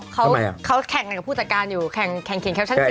ก็แต่เขาแข่งกับผู้จัดการอยู่แข่งเขียนแควส์ทั้งเสี่ยว